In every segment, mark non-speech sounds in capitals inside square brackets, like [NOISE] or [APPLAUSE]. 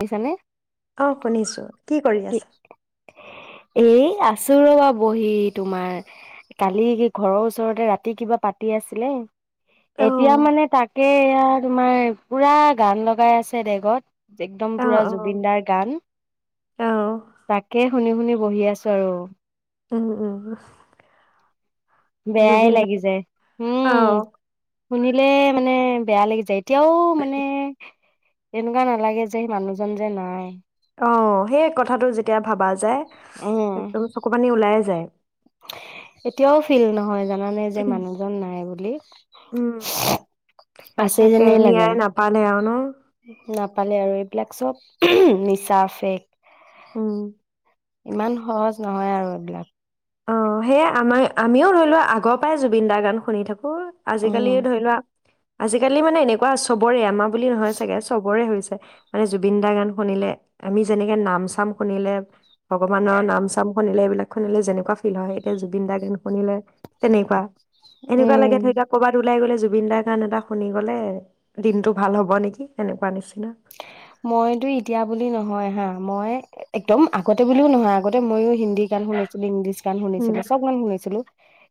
শুনিছানে? অ' শুনিছোঁ, কি কৰি আছা? এ আছো ৰবা বহি তোমাৰ, কালি কি ঘৰৰ ওচৰতে ৰাতি কিবা পাতি আছিলে। অ এতিয়া মানে তাকে এয়া তোমাৰ পুৰা গান লগাই আছে ডেগত। একদম অ পুৰা অ জুবিনদাৰ গান। অ তাকে শুনি শুনি বহি আছো আৰু। উম উম [UNINTELLIGIBLE] বেয়াই জুবিন দা লাগি যায়। অ উম, শুনিলে মানে বেয়া লাগি যায়। এতিয়াও মানে তেনেকুৱা নালাগে যে এই মানুহজন যে নাই। অ' সেই কথাটো যেতিয়া ভাবা যায় উম একদম চকু পানি ওলাই যায়। এতিয়াও ফিল নহয় জানানে যে মানুহজন নাই বুলি! উম আছে তাকে যেনেই লাগে। নিয়াই নাপালে আৰু ন নাপালে আৰু এইবিলাক [UNINTELLIGIBLE] চব নিচা ফেক। উম ইমান সহজ নহয় আৰু এইবিলাক অ', সেয়ে আমাৰ আমিও ধৰি লোৱা আগৰ পৰাই জুবিন দাৰ গান শুনি থা আজিকালি উম, ধৰি লোৱা আজিকালি মানে এনেকুৱা চবৰে আমাৰ বুলি নহয় চাগে চবৰে হৈছে মানে জুবিন দা গান শুনিলে আমি যেনেকে নাম চাম শুনিলে ভগৱানৰ নাম চাম শুনিলে এইবিলাক শুনিলে যেনে [UNINTELLIGIBLE] ফিল হয় এতিয়া জুবিন দাৰ গোন শুনিলে তেনেকুৱা। এনেকুৱা উম। লাগে [UNINTELLIGIBLE] ক'ৰবাত ওলাই গ'লে জুবিন দাৰ গান এটা শুনি গ'লে দিনটো ভাল হ'ব নেকি এনেকুৱা নিচিনা মইতো এতিয়া বুলি নহয় হা। মই একদম আগতে বুলিও নহয় আগতে মইও। হিন্দী গান শুনিছিলো, ইংলিছ গান উম শুনিছিলো, চব গান শুনিছিলো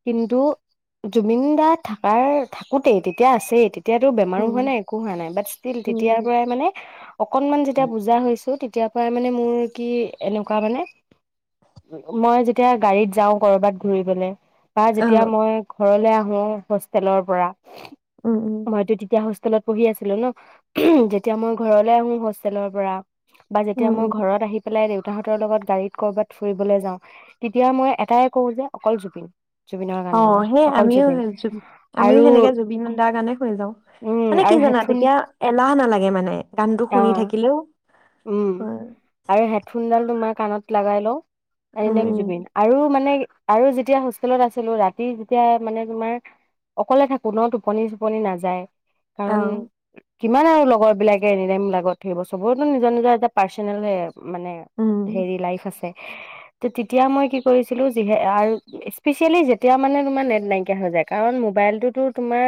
কিন্তু জুমিন দাৰ থাককাৰ থাকোতেই তেতিয়া আছেই। তেতিয়াতো বেমাৰো উম হোৱা নাই একো হোৱা নাই বাট ষ্টিল উম তেতিয়াৰ উম পৰাই মানে অকনমান যেতিয়া বুজা হৈছো তেতিয়াৰ পৰাই মানে মোৰ কি এনেকুৱা মানে মই যেতিয়া গাড়ীত যাও কৰবাত ঘুৰিবলে। বা অ যেতিয়া মই ঘৰলৈ আহো হোষ্টেলৰ পৰা। উম উম হয়ইতো তেতিয়া স্কুলত পঢ়ি আছিলো ন যেতিয়া মই ঘৰলৈ আহো হোষ্টেলৰ পৰা। বা যেতিয়া উম মই উম ঘৰত আহি পেলাই দে। তাহতৰ লগত গাড়ীত কৰবাত ফুৰিবলৈ যাওঁ তেতিয়া মই এটাই কওঁ যে অকল জুবিন। জুবিনৰ গান অ লগা সেই অকল আমিও জুবিন জ আমিও আৰু সেনেকে জুবিন নদাৰ গানে শুই যাও উম মানে কি আৰু জাননা হেডফোন তেতিয়া এলাহ নালাগে মানে গানটো অ শুনি থাকিলেও। উম অ আৰু হেডফোনডাল তোমাক কাণত লগাই লওঁ। এ নেম জুবিন আৰু মানে আৰু যেতিয়া হোষ্টেলত আছিলো ৰাতি যেতিয়া মানে তোমাৰ অকলে থাকো ন টোপনি চোপনি নাযায় অ কাৰণ কিমান আৰু লগৰ বিলাকে এনে টাইম লগত সেই বছৰ বোৰত একম নিজৰ নিজৰ এটা পাৰ্চনেল হে। মানে হেৰি লাইফ আছে। ত তেতিয়া মই কি কৰিছিলো যিহে স্পিচিয়েলি যেতিয়া মানে তোমাৰ নেট নাইকিয়া হৈ যায় কাৰণ মোবাইলটোতো তোমাৰ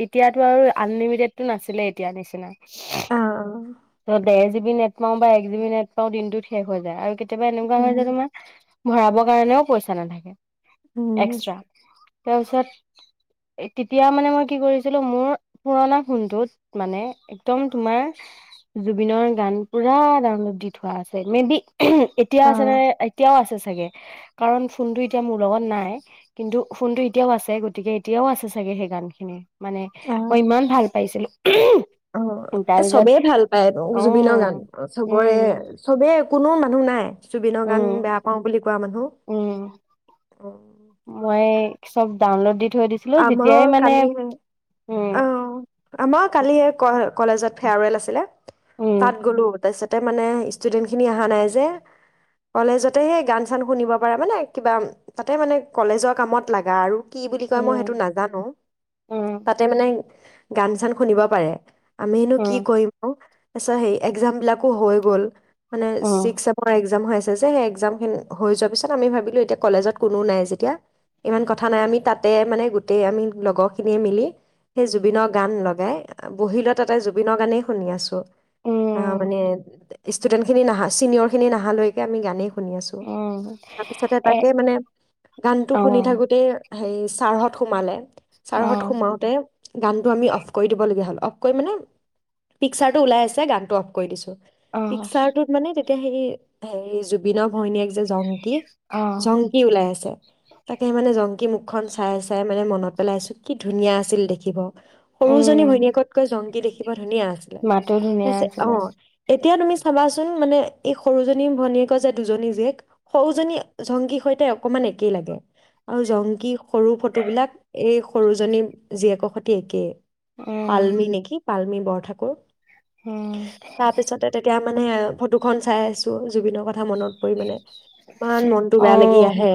তেতিয়াটো আৰু আনলিমিটেডটো নাছিলে এতিয়া নিচিনা। আহ। এক জি বি নেট পাও বা এক জি বি নেট পাও দিনটোত শেষ হৈ যায় আৰু কেতিয়াবা এনেকুৱা হয় যে তোমাৰ ভৰাবৰ কাৰণেও পইচা নাথাকে। উম। এক্সট্ৰা তাৰপিছত তেতিয়া মানে মই কি কৰিছিলো মোৰ পুৰণা ফোনটোত মানে একদম তোমাৰ। জুবিনৰ গান পুৰা ডাউনলোড দি থোৱা আছে মে বি। এতিয়াও অ আছে ন এতিয়াও আছে চাগে। কাৰণ ফোনতটো এতিয়া মোৰ লগত নাই, কিন্তু ফোনতটো এতিয়াও আছে গতিকে এতিয়াও আছে চাগে সেই গান খিনি। মানে অ মই ইমান ভাল পাইছিলো। অ এ তাৰপিছত চবেই ভাল পায় অ জুবিনৰ গান চবৰে উম চবেই কোনো মানুহ নাই জুবিনৰ গান উম বেয়া পাও বুলি কোৱা উম মানুহ মই চব ডাউনলোডদি আমাৰ কালি উম অ আমাৰ কালি কলেজত ফেয়াৰৱেল আছিলে উম তাত গ'লো তাৰপিছতে মানে ষ্টুডেন্ট খিনি অহা নাই যে কলেজতে সেই গান চান শুনিব পাৰে মানে কিবা তাতে মানে কলেজৰ কামত লাগা আৰু কি মই সেইটো উম নাজানো উম তাতে মানে গান চান শুনিব পাৰে আমি নো উম কৰিম আৰু আ সেই এক্জাম বিলাকো হৈ গ'ল মানে উম চিক্স চেমৰ এক্সম হৈ আছে সেই এক্সাম খিনি হৈ যোৱা পিছত আমি ভাবিলো এতিয়া কলেজত কোনো নাই যেতিয়া ইমান কথা নাই আমি তাত তাতে মানে গোটেই আমি লগৰখিনিয়ে মিলি সেই জুবিনৰ গান লগাই বহিলৈ তাতে জুবিনৰ গানেই শুনি আছোঁ অ মান উম ষ্টুডেণ্টখিনি নাহা চিনিয়ৰখিনি নাহা লৈকে আমি গান শুনি আছো উম তাৰপিছতে এ তাকে মানে গানটো অ শুনি থাকোতে সেই চাৰহত সোমালে অ চাৰহত সোমাওতে গানটো আমি অফ কৰি দিবলগীয়া হ'ল অফ কৰি মানে পিকচাৰটো ওলাই আছে গানটো অফ কৰি দিছোঁ অ পিকচাৰটোত মানে এতিয়া হেৰি সেই জুবিনৰ ভৈনীয়েক যে জং অ জংকি ওলাই আছে তাকে মানে জংকি কি মুখখন চাই চাই মানে মনত পেলাইছোঁ কি ধুনীয়া আছিল দেখিব সৰুজনী উম ভৈনীয়েকতকৈ জংকী দেখি ধুনীয়া মাতো ধুনীয়া আছিলে--পিছে অ। আছিলে এত এতিয়া তুমি চাবাচোন মানে, এই সৰুজনী ভনীয়েকৰ যে দুজনী জীয়েক। সৰুজনী জংকীৰ সৈতে অকমান একেই লাগে আৰু জংকী সৰু ফটোবিলাক, এই সৰুজনীৰ জীয়েকৰ সৈতে একেই। উম পাল্মি নেকি? পাল্মি বৰঠাকুৰ। উম তাৰপিছতে তেতিয়া মানে, ফটো খন চাই আছোঁ, জুবিনৰ কথা মনত পৰি মানে ইমান মনটো অ বেয়া লাগি আহে।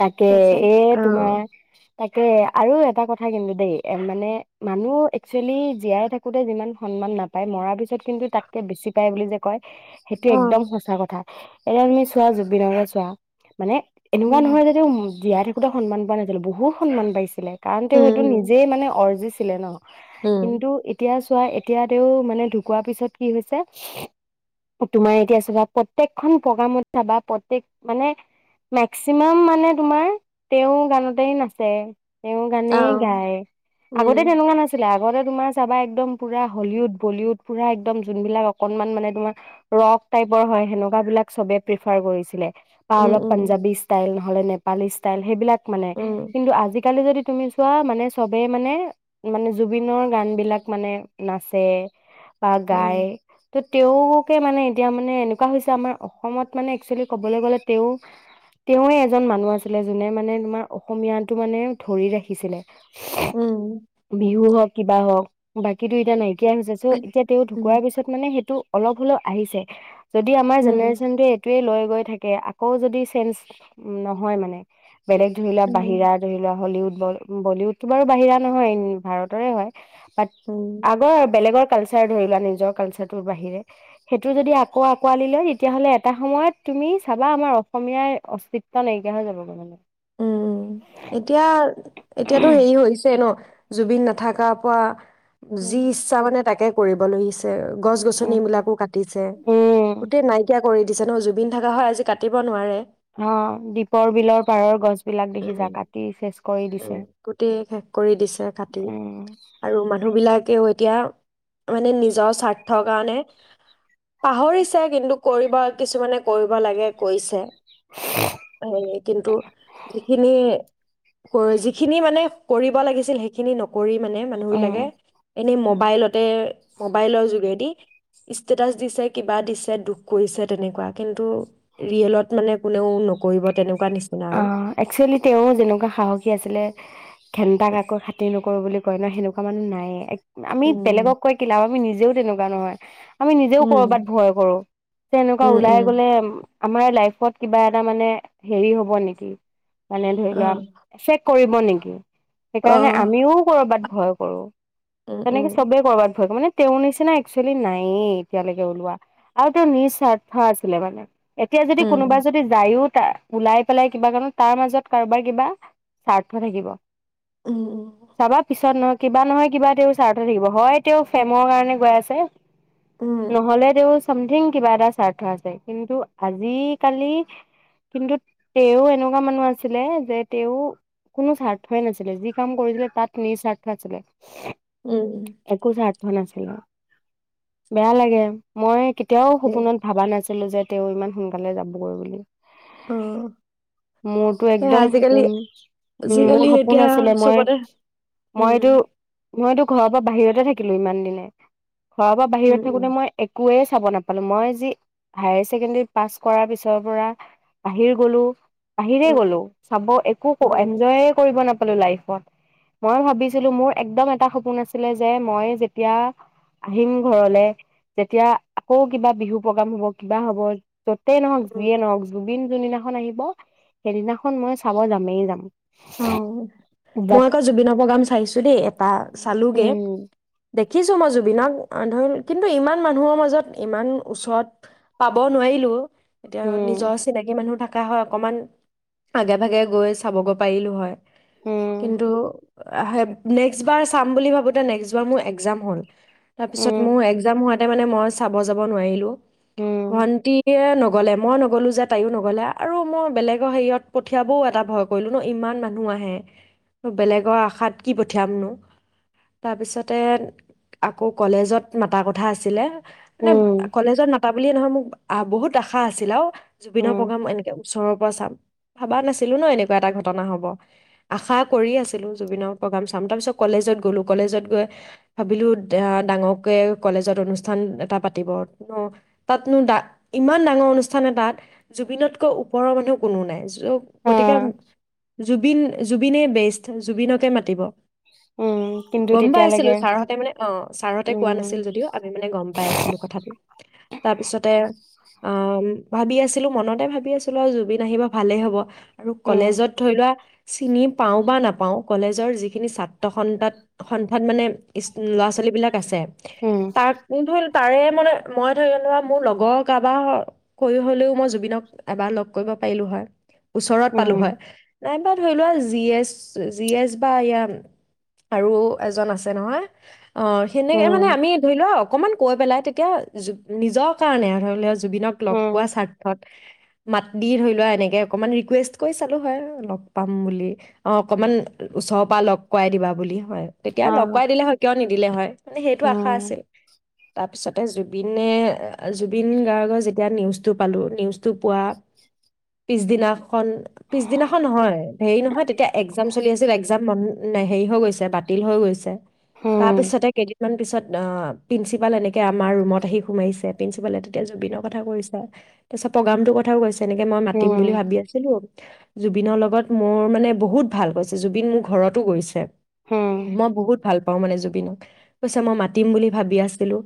তাকে, তাৰপিছত এই অ তোমাৰ তাকে, আৰু এটা কথা কিন্তু দেই এ মানে মানুহ একচুৱেলি জীয়াই থাকোঁতে যিমান সন্মান নাপায়, মৰাৰ পিছত কিন্তু তাতকে বেছি পায় বুলি যে কয়, সেইটো অ এক্দম সঁচা কথা। এ, আমি চোৱা, জুবিনৰে চোৱা। মানে এনেকুৱা উম নহয়, যাতে উম--জীয়াই থাক বহুত সন্মান পোৱা নাছিলোঁ, বহু সন্মান পাইছিলে। কাৰণ, তেওঁ সেইটো উম নিজেই মানে, অৰ্জিছি ছিলে ন? উম কিন্তু, এতিয়া চোৱা, এতিয়া তেওঁ, মানে, ঢুকোৱাৰ পিছত কি হৈছে? তোমাৰ এতিয়া চাবা, প্ৰত্যেকখন প্ৰ'গ্ৰামত চাবা, প্ৰত্যেক মানে মেক্সিমাম মানে, তোমাৰ, তেওঁৰ গানতেই নাচে। তেওঁ উম অ গানেই গায়। উম আগতে তেনেকুৱা নাছিলে, আগতে তোমাৰ চাবা, একদম পুৰা হলিউড, বলিউড পুৰা একদম যোনবিলাক অকনমান মানে, তোমাৰ ৰক টাইপৰ হয়, সেনেকুৱা বিলাক চবে প্ৰিফাৰ কৰিছিলে। পা উম অলপ পাঞ্জাৱী ষ্টাইলৰ নহ'লে নেপালী ষ্টাইল, সেইবিলাক মানে, উম কিন্তু আজিকালি যদি তুমি চোৱা, মানে, চবে মানে, মানে জুবিনৰ গান বিলাক মানে, নাচে বা গায়। উম তে তেওঁকে মানে, এতিয়া মানে, এনেকুৱা হৈছে আমাৰ অসমত মানে, এক্সুৱেলি ক'বলৈ গ'লে তেওঁ তেওঁৱে এজন মানুহ আছিলে, যোনে মানে, তোমাৰ অসমীয়া টো মানে, ধৰি ৰাখিছিলে। উম বিহু হক কিবা হওঁক। বাকী তো এতিয়া নাইকিয়াই হৈছে। চ' এতিয়া তেওঁ উম ঢুকোৱাৰ পিছত মানে, সেইটো অলপ হ'লেও আহিছে যদি, আমাৰ উম জেনেৰেশ্যন টোৱে এইটোৱেই লয় গৈ থাকে, আ আকৌ যদি চেঞ্জ, নহয় মানে বেলেগ ধৰি লোৱা, উম বাহিৰা ধৰি লোৱা হলিউদ। বল-বলিউডটো বাৰু বাহিৰা নহয়, ভাৰতৰে হয়। বাত, উম আগৰ বেলেগৰ কালচাৰ ধৰিলোৱা, নিজৰ কালচাৰটোৰ বাহিৰে, হেইটো যদি আকৌ আঁকোৱালি লয়, তেতিয়া হ'লে এটা সময়ত তুমি চা বা আমাৰ অসমীয়াৰ, অস্তিত্ব নাইকিয়া হৈ যাবগৈ মানে। উম। এতিয়া এতিয়াতো হেৰি হৈছে ন? জুবিন নাথাকা পৰা উম যি ইচ্ছা মানে তাকে কৰিবলৈছে গছ-গছন উম বিলাকো কাটিছে, উম গোটেই নাইকিয়া কৰি দিছে ন, জুবিন থাকা হয় আজি কাটিব নোৱাৰে। অ, দীপৰ বিলৰ পাৰৰ গছ বিলাক দেখিছা উম, কাটি চেচ কৰি দিছে। উম, গোটেই শেষ কৰি দিছে কাটি উম আৰু মানুহ বিলাকেও এতিয়া মানে নিজৰ স্বাৰ্থৰ কাৰণে, পাহৰিছে কিন্তু কৰিব কিছুমানে কৰিব লাগে কৰিছে। হেইয়ে, কিন্তু? এইখিনিয়ে কৰে, যিখিনি মানে কৰিব লাগিছিল। সেইখিনি নকৰি, মানে, মানুহ উম বিলাকে এনে মব মোবাইলতে, মোবাইলৰ যোগেদি ষ্টেটাছ দিছে, কিবা দিছে, দুখ কৰিছে তেনেকুৱা। কিন্তু ৰিয়েলত মানে কোনেও নকৰিব তেনেকুৱা। কোৱা নিচিনা অ আৰু। একচুৱেলি তেওঁৰ যেনেকুৱা সাহসী আছিলে, ঘেন্তা কাকো খাতি নকৰো, বুলি কই ন, সেনেকোৱা মানহ নাইয়ে, এক আমি উম বেলেগক কৈ কি লাভ? আমি নিজ নিজও তেনেকুৱা নহয়। আমি নিজেও কৰবাত উম ভয় কৰো, যে এনেকুৱা উম ওলাই উম গলে আমাৰ লাইফত কিবা এটা মানে, হেৰি হ'ব। হ'ব নেকি? মানে ধৰি অ লোৱা, চেক কৰিব হব নেকি? অ সেইকাৰণে আমিও কৰবাত ভয় কৰো। উম তেনেকে উম চবে কৰবাত ভয় কৰে, মানে তেওঁৰ নিচিনা একচুৱেলি নাইয়েই এতিয়ালৈকে ওলোৱা আৰু তেওঁৰ নিজ স্বাৰ্থ আছিলে মানে এতিয়া যদি উম কোনোবা যদি যায়ো ওলাই পেলাই কিবা কাৰো তাৰ মাজত কাৰোবাৰ কিবা স্বাৰ্থ থাকিব উম চাবা পিছত নহয় কিবা নহয় কিবা তেওঁৰ ছাৰথ থাকিব হয় তেওঁ ফেমৰ কাৰণে গৈ আছে উম উম নহ'লে দে চামথিং কিবা এটা স্বাৰ্থ আছে কিন্তু আজিকালি কিন্তু তেও এনেকুৱা মানুহ আছিলে যে তেওঁ কোনো স্বাৰ্থই নাছিলে যি কাম কৰিছিলে তাত নিৰ স্বাৰ্থ আছিলে উম মই নাছিলো বেয়া লাগে মই তেওঁও তাকে সপোনত ভাবা নাছিল ছিলো যে তেওঁ ইমান সোনকালে যাবগৈ বুলি অ মোৰতো সেই একদম আজিকালি সপোন উ মোৰ আজিকালি সপোন এতিয়া আছিলে মই চবতে উম মইতো মইতো ঘৰৰ পৰা বাহিৰতে থাকিলো ইমান দিনে ঘৰৰ পৰা উম বাহিৰত উম থাকোতে মই একোৱে চাব নাপালো মই যি হায়াৰ ছেকেণ্ডাৰী পাছ কৰাৰ পিছৰ পৰা বাহিৰ গলো [INAUDIBLE] বাহিৰে গলো উম চাব একো উম এনজয়ে কৰিব নাপ লাইফত মই ভাবিছিলো মোৰ একদম এটা সপোন আছিলে যে মই যেতিয়া আহিম ঘৰলে যেতিয়া আকৌ কিবা বিহু প্ৰগ্ৰাম হব কিবা হব জতেই নহওক উম যিয়ে নহওক জুবিন যোন দিনাখন আহিব সেইদিনাখন মই চাব যামেই যাম অ মই বাট আকৌ জুবিনৰ প্ৰগ্ৰাম চাইছো দেই এটা চালোগে উম দেখিছো মই জুবিনক ধৰি কিন্তু ইমান মানুহৰ মাজত ইমান ওচৰত পাব নোৱাৰিলো এতিয়া উম নিজৰ চিনাকি মানুহ তাক থকা হয় অকমান আগে ভাগে গৈ চাব গৈ পাৰিলোঁ হয় উম কিন্তু নেক্সট বাৰ চাম বুলি ভাবোতে নেক্সট বাৰ মোৰ একজাম হ'ল তাৰপিছত উম মোৰ এক্জামো তাতে মানে মই চাব যাব নোৱাৰিলোঁ উম ভণ্টিয়ে নগ গ'লে মই নগ'লো যে তায়ো নগ'লে আৰু মই বেলেগৰ হেৰিয়ত পঠিয়াবও এটা ভয় কৰিলোঁ নো ইমান মানুহ আহে বেলেগৰ আশাত কি পঠিয়ামনো তাৰপিছতে আকৌ কলেজত মাতাৰ কথা আছিলে মানে উম কলেজত মাতা বুলিয়ে নহয় মোক আহ বহুত আশা আছিল আৰু জুবিনৰ উম প্ৰ'গ্ৰেম এনেক ওচৰৰ পৰা চাম ভাবা নাছিলো ন' এনে কিবা এটা ঘটনা হ'ব, আশা কৰি আছিলো জুবিনৰ প্ৰ'গ্ৰেম চাম। তাৰপিছত কলেজত গ'লো কলেজত গৈ ভাবিলো ডাঙৰকে কলেজত অনুষ্ঠান এটা পাতিব তাতনো ডা, ইমান ডাঙৰ অনুষ্ঠান এটাত জুবিনতকৈ ওপৰৰ মানুহ কোনো নাই। চ, ' অ গতিকে জুবিন', - জুবিনেই বেষ্ট। জুবিনকে মাতিব উম কিন্তু গম পাই আছিলো তেতিয়ালৈকে ছাৰহঁতে মানে অ', ছাৰহঁতে কোৱা উম নাছিল যদিও আমি মানে গম পাই আছিলো কথাবোৰ তাৰপিছতে অম', ভাবি আছিলো মনতে ভাবি আছিলো আৰু জুবিন আহিব ভালেই হ'ব আ উম কলেজত থৈ লোৱা চিনি পাওঁ বা নাপাওঁ কলেজৰ যিখিনি ছাত্ৰ সন্তাত সন্থাত মানে ইচ ল'ৰা ছোৱালীবিলাক আছে উম তাক [UNINTELLIGIBLE] পাৰে মানে মই ধৰি লোৱা মোৰ লগৰ কাৰবাৰ অ', কৰি হ'লেও মই জুবিনক এবাৰ লগ কৰিব পাৰিলো হয় ওচ পালো উম হয় নাইবা ধৰি লোৱা জি এছ জি এছ বা এয়া আৰু এজন আছে নহয় অঁ', সেনেকে মানে উম আমি ধৰি লওঁক অকমান কৈ পেলাই তেতিয়া জু নিজৰ কাৰণে ধৰি লো [UNINTELLIGIBLE] জুবিনক লগ উম পোৱা স্বাৰ্থত মাত দি ধৰি লোৱা এনেকে অকমান ৰিকুৱেষ্ট কৰি চালো হয় আৰু লগ পাম বুলি অ', অকমান ওচৰৰ পৰা লগ কৰাই দিবা বুলি হয় তেতিয়া হা লগ কৰাই দিলে হয় কিয় নিদিলে হয় মানে সেইটো আশা উম আছিল। তাৰপিছতে জুবিনে জুবিন গাৰ্গৰ যেতিয়া নিউজটো পালোঁ নিউজটো পোৱা পিছদিনাখন পিছদিনাখন নহয় হেৰি নহয় তেতিয়া একজাম চলি আছিল এক্জাম ম নে' হেৰি হৈ গৈছে বাতিল হৈ গৈছে। তাৰ উম পিছতে কেইদিনমান পিছত অ', প্ৰিন্সিপাল এনেকে আমাৰ ৰুমত আহি সোমাইছে, প্ৰিন্সিপালে তেতিয়া জুবিনৰ কথা কৈছে তাৰপিছত প্ৰ'গ্ৰামটোৰ কথাও কৈছে তেনেকে মই মাতিম উম বুলি ভাবি আছিলো জুবিনৰ লগত মোৰ মানে বহুত ভাল কৈছে জুবিন মোৰ ঘৰতো গৈছে। উম মই বহুত ভাল পা অ মানে জুবিনক কৈছে মই মাতিম বুলি ভাবি আছিলো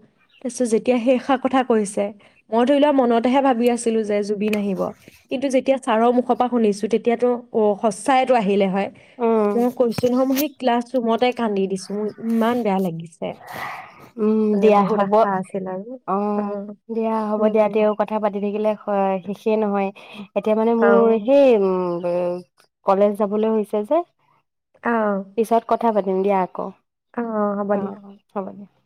তাৰপিছত যেতিয়া সেইসা কথা কৈছে মই ধৰিলোৱা মনতহে ভাবি আছিলো জানিলোঁ যে জুবিন আহিব কিন্তু যেতিয়া চাৰ মুখ সপা শুনিছো তেতিয়াতো অ সঁচাই তো আহিলে হয় উম মই কৈছোঁ নহয়, মই সেই ক্লাছ ৰুমতে কান্দি দিছো, মোৰ ইমান বেয়া লাগিছে। উম মানে দিয়া বহুত হ'ব আশা আছিল আৰু। অ', দিয়া হ'ব দিয়া তেওঁ অ'। কথা পাতি থাকিলে শ- শেষেই [INAUDIBLE] এতিয়া মানে মোৰ, সেই উম এ, কলেজ যাবলৈ [UNINTELLIGIBLE] অ [UNINTELLIGIBLE] পিছত কথা পাত তিম দিয়া আকৌ। অ হ'ব দিয়া অ', হ'ব দিয়া।